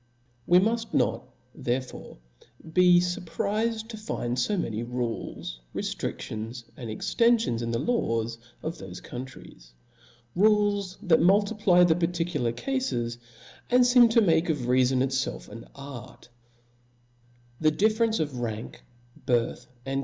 We muft not therefore be furprifed to find iQ many rules, reftriftions, and extenfions in the laws of ihofe countries; rules that multiply the particu lar cafes, and feem to makeof reafon itfelf an art* H 4 The 104 THE SPIRIT Book Tl;ie difference of r^n^:, birth, and.